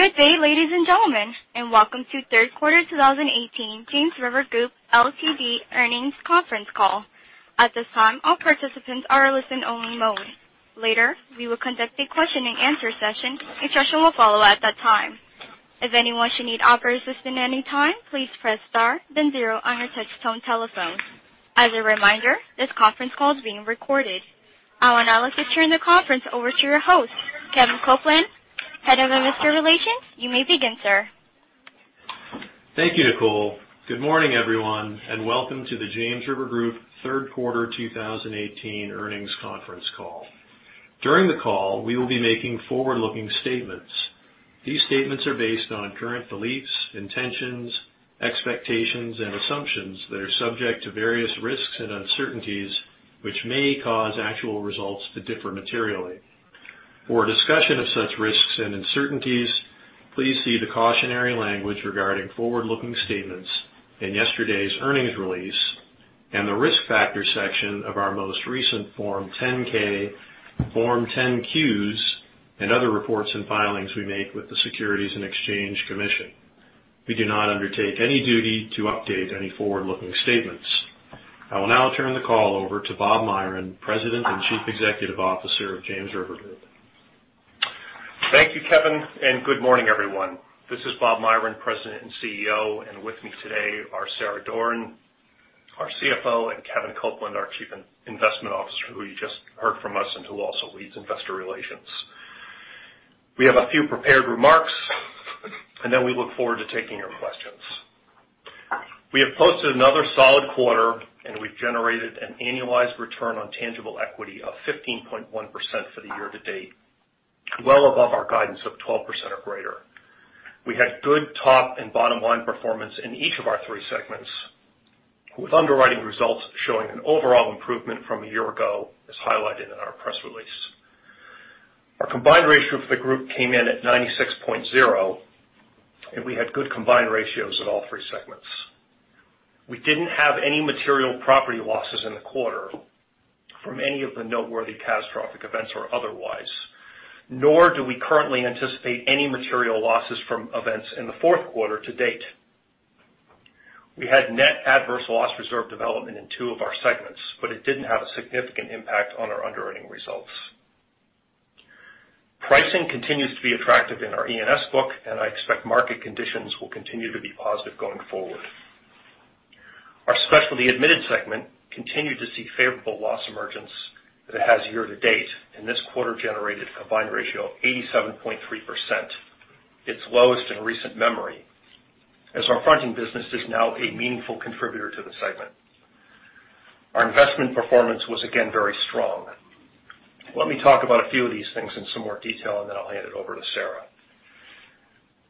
Good day, ladies and gentlemen, and w`elcome to third quarter 2018 James River Group Ltd earnings conference call. At this time, all participants are in listen only-mode. Later, we will conduct a question-and-answer session. Instruction will follow at that time. If anyone should need operator assistance at any time, please press star then zero on your touch-tone telephone. As a reminder, this conference call is being recorded. I will now turn the conference over to your host, Kevin Copeland, Head of Investor Relations. You may begin, sir. Thank you, Nicole. Good morning, everyone, and welcome to the James River Group third quarter 2018 earnings conference call. During the call, we will be making forward-looking statements. These statements are based on current beliefs, intentions, expectations, and assumptions that are subject to various risks and uncertainties, which may cause actual results to differ materially. For a discussion of such risks and uncertainties, please see the cautionary language regarding forward-looking statements in yesterday's earnings release and the Risk Factors section of our most recent Form 10-K, Form 10-Qs, and other reports and filings we make with the Securities and Exchange Commission. We do not undertake any duty to update any forward-looking statements. I will now turn the call over to Bob Myron, President and Chief Executive Officer of James River Group. Thank you, Kevin. Good morning, everyone. This is Bob Myron, President and CEO. With me today are Sarah Doran, our CFO, and Kevin Copeland, our Chief Investment Officer, who you just heard from us and who also leads investor relations. We have a few prepared remarks. Then we look forward to taking your questions. We have posted another solid quarter. We've generated an annualized return on tangible equity of 15.1% for the year to date, well above our guidance of 12% or greater. We had good top and bottom line performance in each of our three segments, with underwriting results showing an overall improvement from a year ago, as highlighted in our press release. Our combined ratio for the group came in at 96.0. We had good combined ratios at all three segments. We didn't have any material property losses in the quarter from any of the noteworthy catastrophic events or otherwise, nor do we currently anticipate any material losses from events in the fourth quarter to date. We had net adverse loss reserve development in two of our segments. It didn't have a significant impact on our underwriting results. Pricing continues to be attractive in our E&S book. I expect market conditions will continue to be positive going forward. Our Specialty Admitted segment continued to see favorable loss emergence that it has year to date. This quarter generated a combined ratio of 87.3%, its lowest in recent memory, as our fronting business is now a meaningful contributor to the segment. Our investment performance was again very strong. Let me talk about a few of these things in some more detail, and then I'll hand it over to Sarah.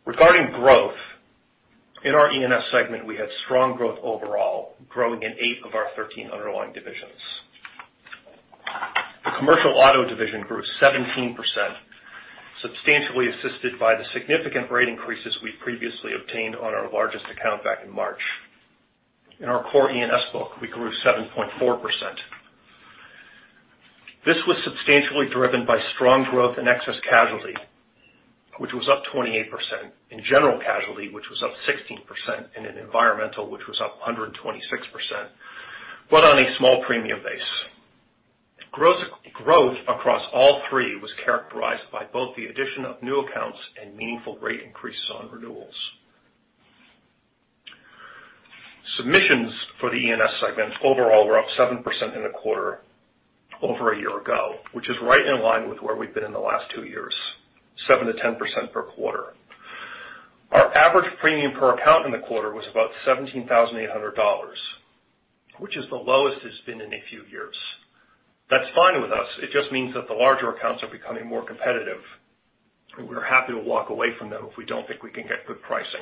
Regarding growth, in our E&S segment, we had strong growth overall, growing in eight of our 13 underlying divisions. The commercial auto division grew 17%, substantially assisted by the significant rate increases we previously obtained on our largest account back in March. In our core E&S book, we grew 7.4%. This was substantially driven by strong growth in excess casualty, which was up 28%, in general casualty, which was up 16%, and in environmental, which was up 126%, but on a small premium base. Growth across all three was characterized by both the addition of new accounts and meaningful rate increases on renewals. Submissions for the E&S segments overall were up 7% in the quarter over a year ago, which is right in line with where we've been in the last two years, 7%-10% per quarter. Our average premium per account in the quarter was about $17,800, which is the lowest it's been in a few years. That's fine with us. It just means that the larger accounts are becoming more competitive, and we're happy to walk away from them if we don't think we can get good pricing.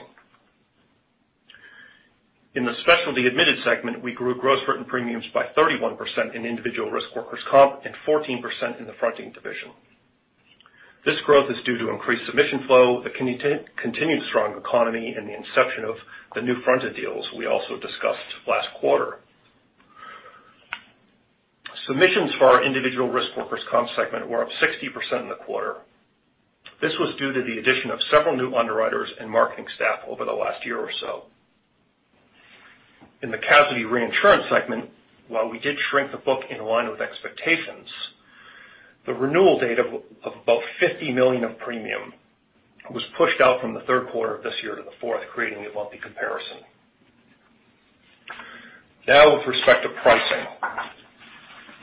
In the Specialty Admitted segment, we grew gross written premiums by 31% in individual risk workers' comp and 14% in the fronting division. This growth is due to increased submission flow, the continued strong economy, and the inception of the new fronted deals we also discussed last quarter. Submissions for our individual risk workers' comp segment were up 60% in the quarter. This was due to the addition of several new underwriters and marketing staff over the last year or so. In the Casualty Reinsurance segment, while we did shrink the book in line with expectations, the renewal date of about $50 million of premium was pushed out from the third quarter of this year to the fourth, creating a lumpy comparison. With respect to pricing.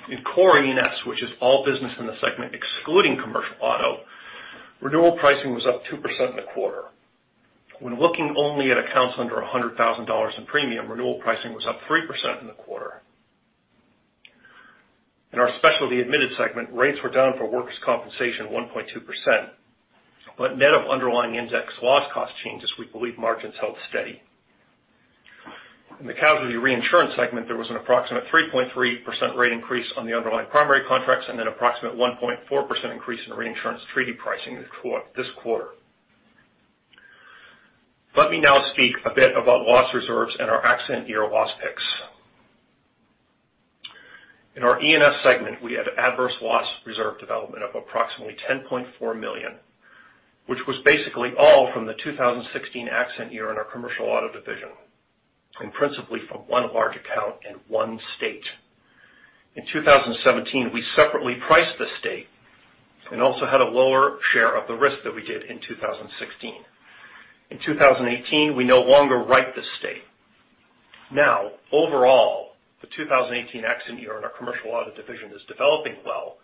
In core E&S, which is all business in the segment excluding commercial auto, renewal pricing was up 2% in the quarter. When looking only at accounts under $100,000 in premium, renewal pricing was up 3% in the quarter. In our Specialty Admitted segment, rates were down for workers' compensation 1.2%, but net of underlying index loss cost changes, we believe margins held steady. In the Casualty Reinsurance segment, there was an approximate 3.3% rate increase on the underlying primary contracts and an approximate 1.4% increase in reinsurance treaty pricing this quarter. Let me now speak a bit about loss reserves and our accident year loss picks. In our E&S segment, we had adverse loss reserve development of approximately $10.4 million, which was basically all from the 2016 accident year in our commercial auto division, and principally from one large account in one state. In 2017, we separately priced the state and also had a lower share of the risk that we did in 2016. In 2018, we no longer write the state. Overall, the 2018 accident year in our commercial auto division is developing well,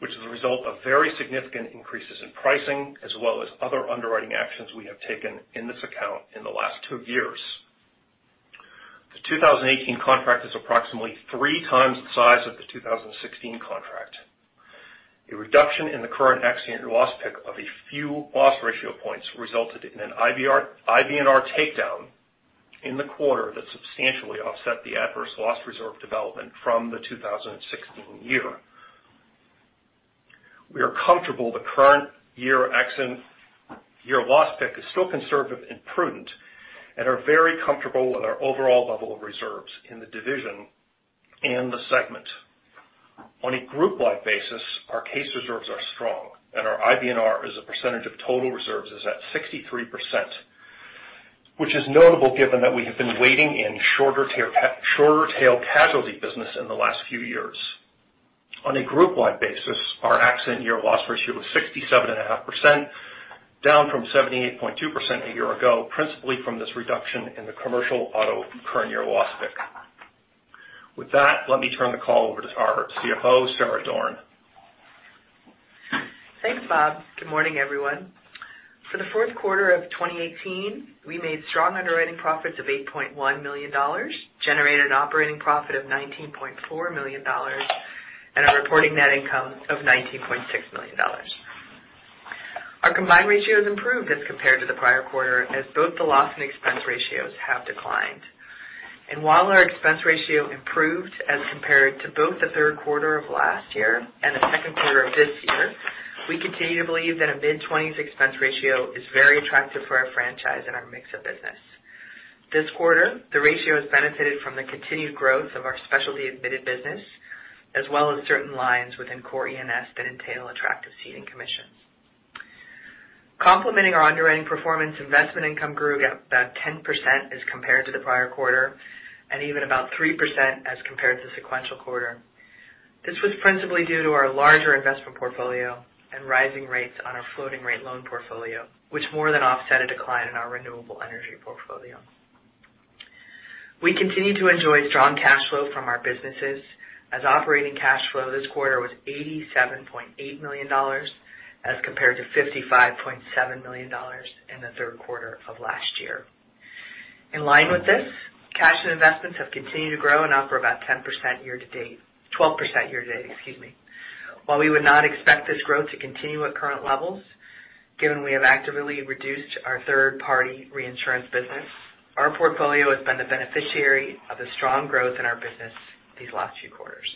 which is a result of very significant increases in pricing, as well as other underwriting actions we have taken in this account in the last two years. The 2018 contract is approximately three times the size of the 2016 contract. A reduction in the current accident loss pick of a few loss ratio points resulted in an IBNR takedown in the quarter that substantially offset the adverse loss reserve development from the 2016 year. We are comfortable the current year accident year loss pick is still conservative and prudent and are very comfortable with our overall level of reserves in the division and the segment. On a group-wide basis, our case reserves are strong, and our IBNR as a percentage of total reserves is at 63%, which is notable given that we have been wading in shorter tail casualty business in the last few years. On a group-wide basis, our accident year loss ratio was 67.5%, down from 78.2% a year ago, principally from this reduction in the commercial auto current year loss pick. With that, let me turn the call over to our CFO, Sarah Doran. Thanks, Bob. Good morning, everyone. For the fourth quarter of 2018, we made strong underwriting profits of $8.1 million, generated an operating profit of $19.4 million, and a reporting net income of $19.6 million. Our combined ratios improved as compared to the prior quarter, as both the loss and expense ratios have declined. While our expense ratio improved as compared to both the third quarter of last year and the second quarter of this year, we continue to believe that a mid-20s expense ratio is very attractive for our franchise and our mix of business. This quarter, the ratio has benefited from the continued growth of our Specialty Admitted business, as well as certain lines within core E&S that entail attractive ceding commissions. Complementing our underwriting performance, investment income grew about 10% as compared to the prior quarter, and even about 3% as compared to sequential quarter. This was principally due to our larger investment portfolio and rising rates on our floating rate loan portfolio, which more than offset a decline in the renewable energy portfolio. We continue to enjoy strong cash flow from our businesses, as operating cash flow this quarter was $87.8 million as compared to $55.7 million in the third quarter of last year. In line with this, cash and investments have continued to grow and offer about 10% year to date. 12% year to date, excuse me. While we would not expect this growth to continue at current levels, given we have actively reduced our third-party reinsurance business, our portfolio has been the beneficiary of the strong growth in our business these last few quarters.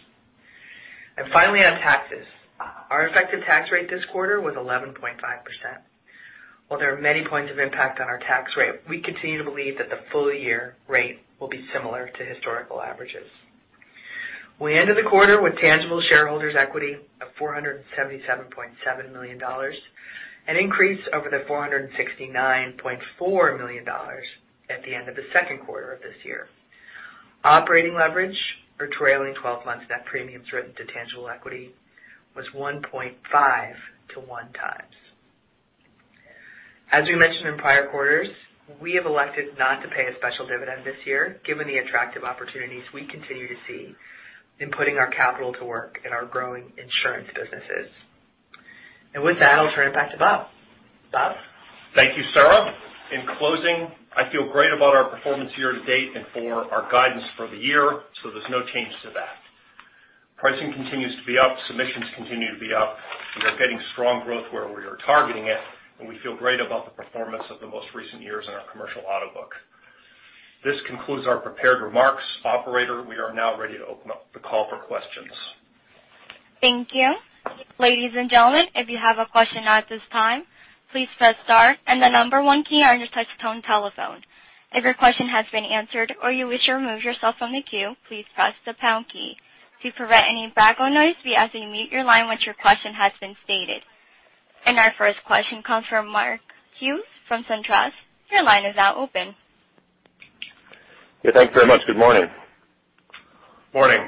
Finally, on taxes. Our effective tax rate this quarter was 11.5%. While there are many points of impact on our tax rate, we continue to believe that the full-year rate will be similar to historical averages. We ended the quarter with tangible shareholders' equity of $477.7 million, an increase over the $469.4 million at the end of the second quarter of this year. Operating leverage for trailing 12 months net premiums written to tangible equity was 1.5 to one times. As we mentioned in prior quarters, we have elected not to pay a special dividend this year, given the attractive opportunities we continue to see in putting our capital to work in our growing insurance businesses. With that, I'll turn it back to Bob. Bob? Thank you, Sarah. In closing, I feel great about our performance year to date and for our guidance for the year, there's no change to that. Pricing continues to be up, submissions continue to be up. We are getting strong growth where we are targeting it, and we feel great about the performance of the most recent years in our commercial auto book. This concludes our prepared remarks. Operator, we are now ready to open up the call for questions. Thank you. Ladies and gentlemen, if you have a question at this time, please press star and the number one key on your touchtone telephone. If your question has been answered or you wish to remove yourself from the queue, please press the pound key. To prevent any background noise, we ask that you mute your line once your question has been stated. Our first question comes from Mark Hughes from SunTrust. Your line is now open. Yeah, thanks very much. Good morning. Morning.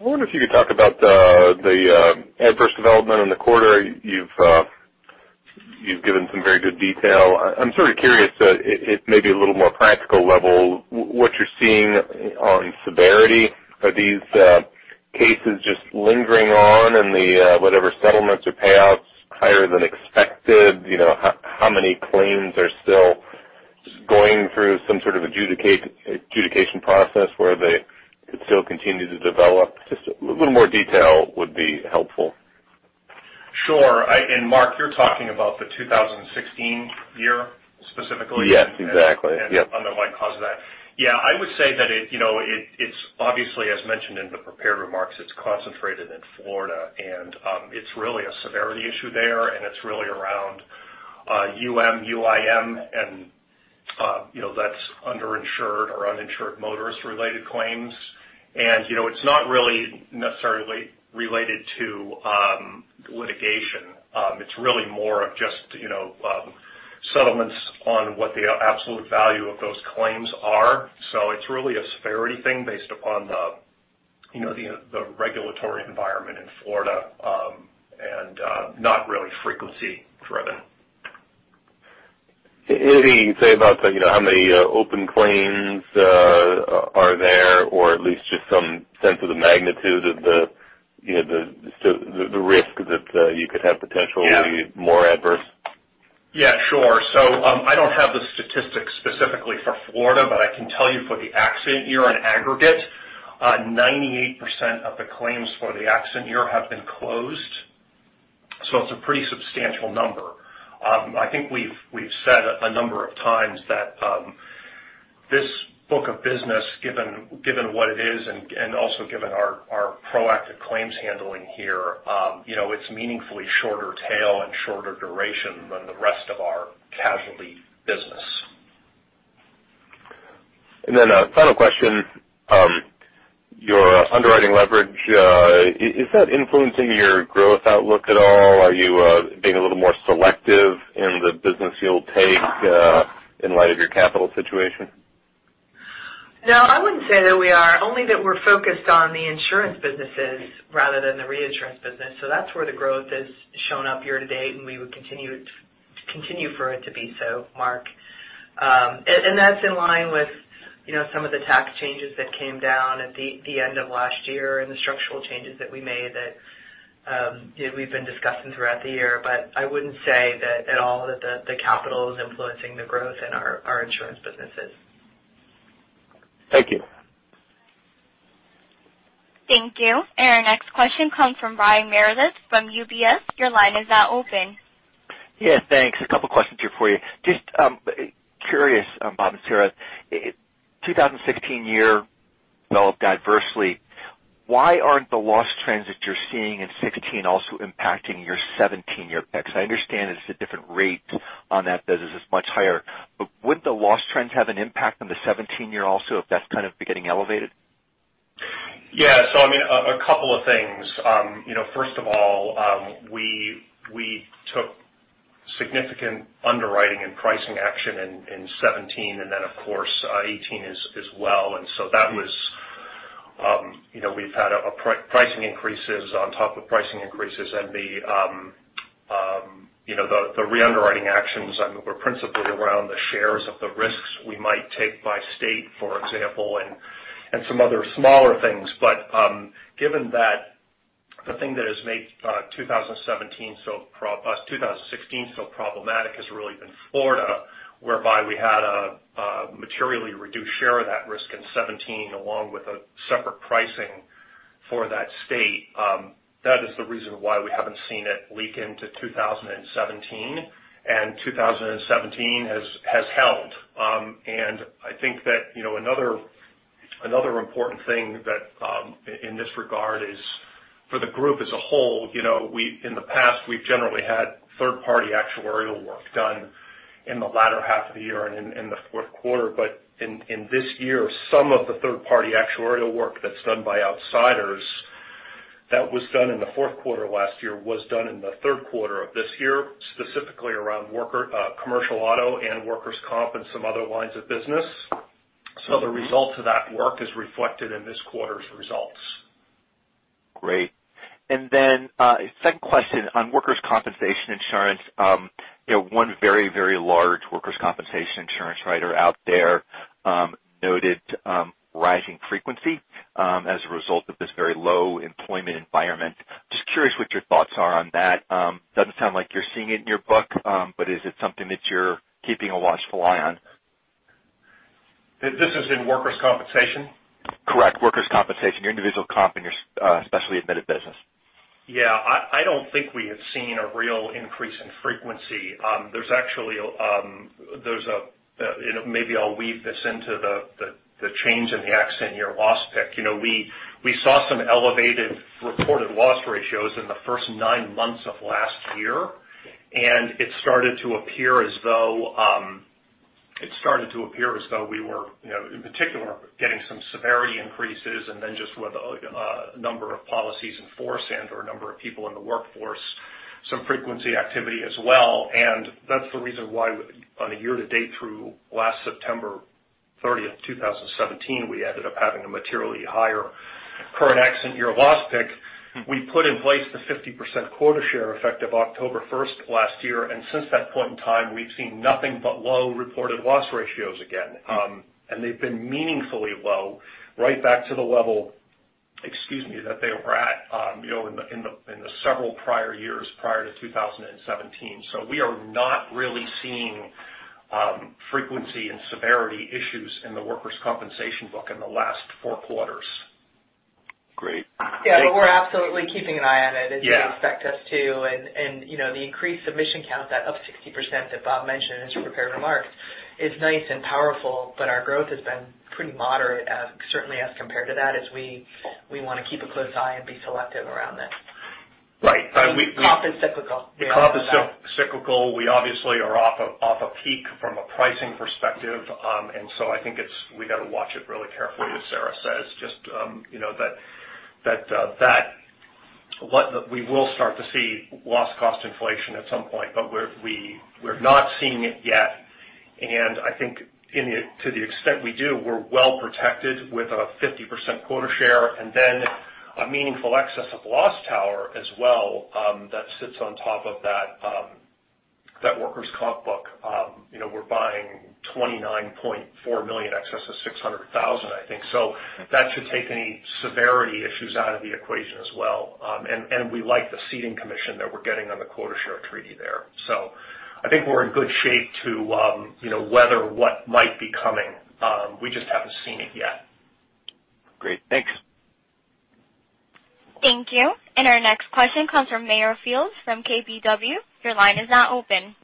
I wonder if you could talk about the adverse development in the quarter. You've given some very good detail. I'm sort of curious, at maybe a little more practical level, what you're seeing on severity. Are these cases just lingering on in the whatever settlements or payouts higher than expected? How many claims are still going through some sort of adjudication process where they could still continue to develop? Just a little more detail would be helpful. Sure. Mark, you're talking about the 2016 year specifically? Yes, exactly. Yep. The underlying cause of that. Yeah, I would say that it's obviously, as mentioned in the prepared remarks, it's concentrated in Florida, and it's really a severity issue there, and it's really around UM, UIM, and That's underinsured or uninsured motorist related claims. It's not really necessarily related to litigation. It's really more of just settlements on what the absolute value of those claims are. It's really a severity thing based upon the regulatory environment in Florida, and not really frequency driven. Anything you can say about how many open claims are there, or at least just some sense of the magnitude of the risk that you could have potentially? Yeah More adverse? Yeah, sure. I don't have the statistics specifically for Florida, but I can tell you for the accident year in aggregate, 98% of the claims for the accident year have been closed. It's a pretty substantial number. I think we've said a number of times that this book of business, given what it is and also given our proactive claims handling here, it's meaningfully shorter tail and shorter duration than the rest of our casualty business. A final question. Your underwriting leverage, is that influencing your growth outlook at all? Are you being a little more selective in the business you'll take in light of your capital situation? No, I wouldn't say that we are. Only that we're focused on the insurance businesses rather than the reinsurance business. That's where the growth has shown up year to date, and we would continue for it to be so, Mark. That's in line with some of the tax changes that came down at the end of last year and the structural changes that we made that we've been discussing throughout the year. I wouldn't say at all that the capital is influencing the growth in our insurance businesses. Thank you. Thank you. Our next question comes from Brian Meredith from UBS. Your line is now open. Yeah. Thanks. A couple questions here for you. Just curious, Bob and Sarah, 2016 year developed adversely. Why aren't the loss trends that you're seeing in 2016 also impacting your 2017 year picks? I understand it's a different rate on that business is much higher, but wouldn't the loss trends have an impact on the 2017 year also if that's kind of getting elevated? I mean, a couple of things. First of all, we took significant underwriting and pricing action in 2017, then of course, 2018 as well. We've had pricing increases on top of pricing increases and the re-underwriting actions were principally around the shares of the risks we might take by state, for example, and some other smaller things. Given that the thing that has made 2016 so problematic has really been Florida, whereby we had a materially reduced share of that risk in 2017, along with a separate pricing for that state. That is the reason why we haven't seen it leak into 2017, and 2017 has held. I think that another important thing in this regard is for the group as a whole, in the past, we've generally had third-party actuarial work done in the latter half of the year and in the fourth quarter. In this year, some of the third-party actuarial work that's done by outsiders that was done in the fourth quarter last year was done in the third quarter of this year, specifically around commercial auto and workers' comp and some other lines of business. The result of that work is reflected in this quarter's results. Great. Second question on workers' compensation insurance. One very large workers' compensation insurance writer out there noted rising frequency as a result of this very low employment environment. Just curious what your thoughts are on that. Doesn't sound like you're seeing it in your book. Is it something that you're keeping a watchful eye on? This is in workers' compensation? Correct. Workers' compensation, your individual comp in your Specialty Admitted business. Yeah. I don't think we have seen a real increase in frequency. Maybe I'll weave this into the change in the accident year loss pick. We saw some elevated reported loss ratios in the first nine months of last year. It started to appear as though we were, in particular, getting some severity increases then just with a number of policies in force and/or a number of people in the workforce, some frequency activity as well. That's the reason why on a year to date through last September 30th, 2017, we ended up having a materially higher current accident year loss pick. We put in place the 50% quota share effective October 1st last year. Since that point in time, we've seen nothing but low reported loss ratios again. They've been meaningfully low right back to the level, excuse me, that they were at in the several prior years prior to 2017. We are not really seeing frequency and severity issues in the workers' compensation book in the last four quarters. Great. Yeah. We're absolutely keeping an eye on it. Yeah as you expect us to. The increased submission count, that up 60% that Bob mentioned in his prepared remarks, is nice and powerful, but our growth has been pretty moderate, certainly as compared to that, as we want to keep a close eye and be selective around this. Right. I mean, comp is cyclical. Comp is cyclical. We obviously are off a peak from a pricing perspective. I think we've got to watch it really carefully, as Sarah says, just that we will start to see loss cost inflation at some point. We're not seeing it yet, and I think to the extent we do, we're well-protected with a 50% quota share and then a meaningful excess of loss tower as well, that sits on top of that workers' comp book. We're buying $29.4 million excess of $600,000, I think. That should take any severity issues out of the equation as well. We like the ceding commission that we're getting on the quota share treaty there. I think we're in good shape to weather what might be coming. We just haven't seen it yet. Great. Thanks. Thank you. Our next question comes from Meyer Shields from KBW. Your line is now open.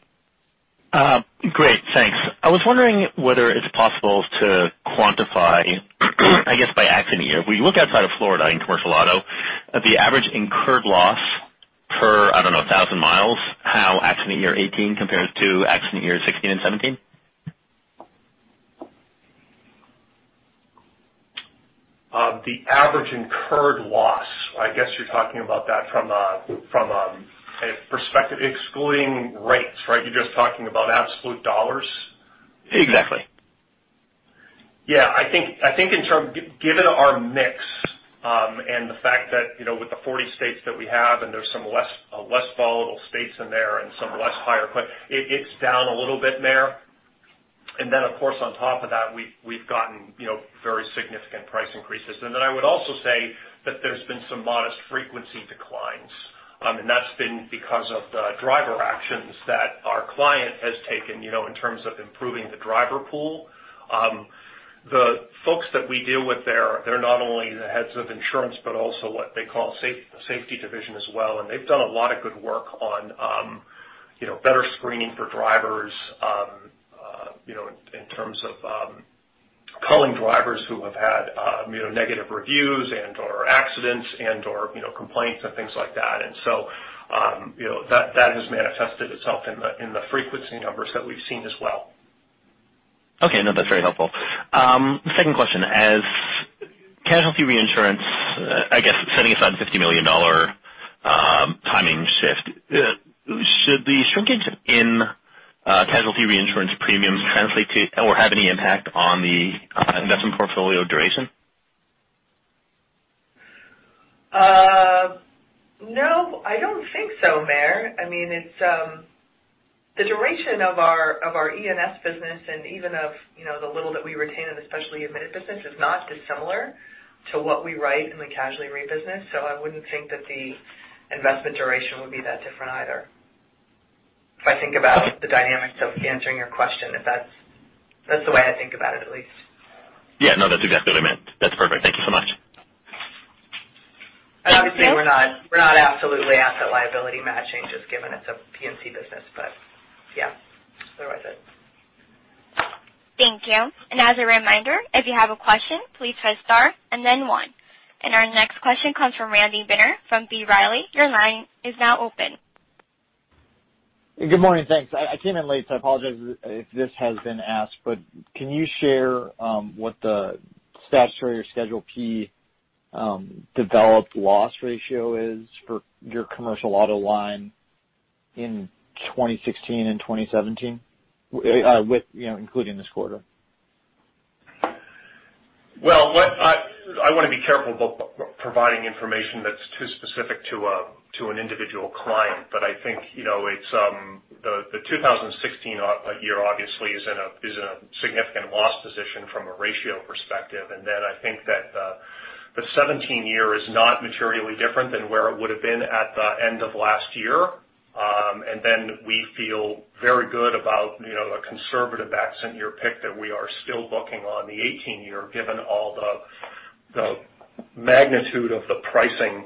Great, thanks. I was wondering whether it's possible to quantify, I guess, by accident year. When you look outside of Florida in commercial auto, the average incurred loss per, I don't know, 1,000 miles, how accident year 2018 compares to accident year 2016 and 2017. The average incurred loss, I guess you're talking about that from a perspective excluding rates, right? You're just talking about absolute dollars? Exactly. Yeah. I think, given our mix, and the fact that with the 40 states that we have, there's some less volatile states in there and some less higher, it's down a little bit, Meyer. Then, of course, on top of that, we've gotten very significant price increases. Then I would also say that there's been some modest frequency declines. That's been because of the driver actions that our client has taken in terms of improving the driver pool. The folks that we deal with there, they're not only the heads of insurance, but also what they call safety division as well, and they've done a lot of good work on better screening for drivers, in terms of culling drivers who have had negative reviews and/or accidents and/or complaints and things like that. That has manifested itself in the frequency numbers that we've seen as well. Okay. No, that's very helpful. Second question, as Casualty Reinsurance, I guess setting aside the $50 million timing shift, should the shrinkage in Casualty Reinsurance premiums translate to or have any impact on the investment portfolio duration? No, I don't think so, Meyer. I mean, the duration of our E&S business and even of the little that we retain in the Specialty Admitted business is not dissimilar to what we write in the casualty rate business. I wouldn't think that the investment duration would be that different either. If I think about the dynamics of answering your question, that's the way I think about it, at least. Yeah. No, that's exactly what I meant. That's perfect. Thank you so much. Obviously, we're not absolutely asset liability matching, just given it's a P&C business. Yeah. Thank you. As a reminder, if you have a question, please press star and then one. Our next question comes from Randy Binner from B. Riley. Your line is now open. Good morning. Thanks. I came in late, I apologize if this has been asked, can you share what the statutory Schedule P developed loss ratio is for your commercial auto line in 2016 and 2017, including this quarter? Well, I want to be careful about providing information that's too specific to an individual client. I think the 2016 year obviously is in a significant loss position from a ratio perspective. I think that the 2017 year is not materially different than where it would've been at the end of last year. We feel very good about the conservative accident year pick that we are still booking on the 2018 year, given all the magnitude of the pricing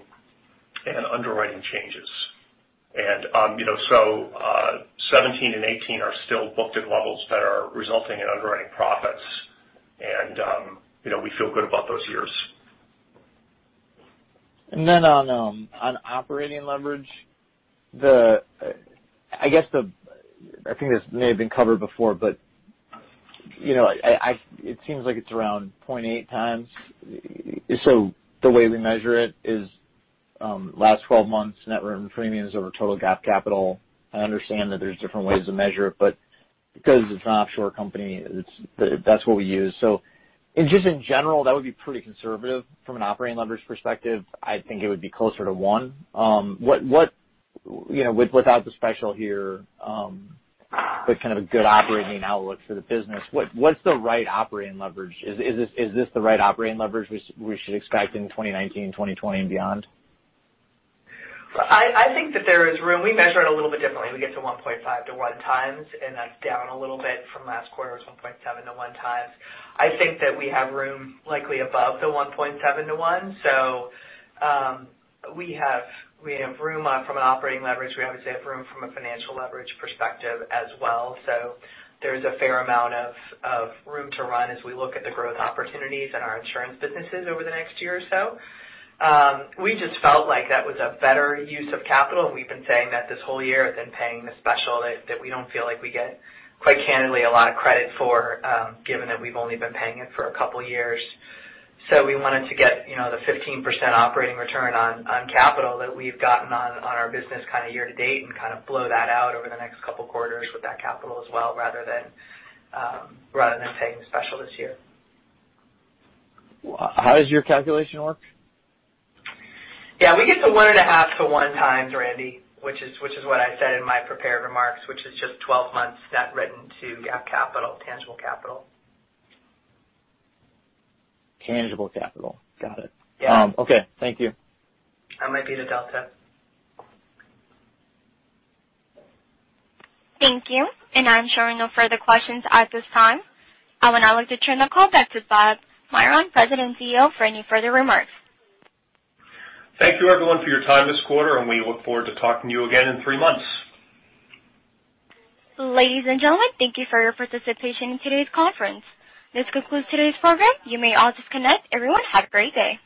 and underwriting changes. 2017 and 2018 are still booked at levels that are resulting in underwriting profits. We feel good about those years. On operating leverage, I think this may have been covered before, but it seems like it's around 0.8x. The way we measure it is last 12 months net written premiums over total GAAP capital. I understand that there's different ways to measure it, but because it's an offshore company, that's what we use. Just in general, that would be pretty conservative from an operating leverage perspective. I think it would be closer to one. Without the special here, but kind of a good operating outlook for the business, what's the right operating leverage? Is this the right operating leverage we should expect in 2019, 2020, and beyond? I think that there is room. We measure it a little bit differently. We get to 1.5x-1x, and that's down a little bit from last quarter. It was 1.7x-1x. I think that we have room likely above the 1.7x-1x. We have room from an operating leverage. We obviously have room from a financial leverage perspective as well. There's a fair amount of room to run as we look at the growth opportunities in our insurance businesses over the next year or so. We just felt like that was a better use of capital, and we've been saying that this whole year than paying the special that we don't feel like we get, quite candidly, a lot of credit for, given that we've only been paying it for a couple of years. We wanted to get the 15% operating return on capital that we've gotten on our business year to date and blow that out over the next couple of quarters with that capital as well, rather than paying the special this year. How does your calculation work? Yeah. We get to 1x-1.5x, Randy, which is what I said in my prepared remarks, which is just 12 months net written to GAAP capital, tangible capital. Tangible capital. Got it. Yeah. Okay. Thank you. That might be the delta. Thank you. I'm showing no further questions at this time. I would now like to turn the call back to Bob Myron, President and CEO, for any further remarks. Thank you, everyone, for your time this quarter. We look forward to talking to you again in three months. Ladies and gentlemen, thank you for your participation in today's conference. This concludes today's program. You may all disconnect. Everyone, have a great day.